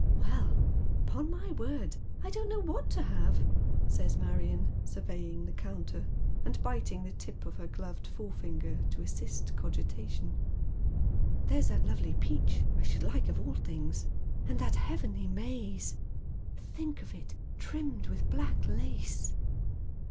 " Well, upon my word, I don't know what to have," saya Marion, survepng the counter, and biting the tip of her gloved forefinger to assist cogitation. " There's that lovely peach, I aliould like of all things, and that heavenly maize. Think of it trimmed with black lace."